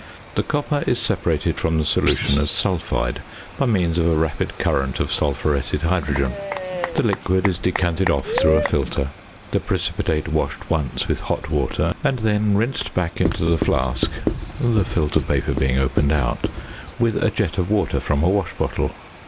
The copper is separated from the solution as sulphide by means of a rapid current of sulphuretted hydrogen. The liquid is decanted off through a filter, the precipitate washed once with hot water and then rinsed back into the flask (the filter paper being opened out) with a jet of water from a wash bottle.